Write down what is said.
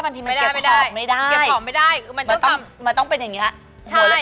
มันต้องเป็นอย่างเงี้ย